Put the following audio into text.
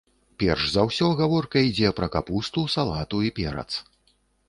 Перш за ўсё гаворка ідзе пра капусту, салату і перац.